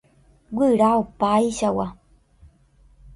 Guyra opaichagua.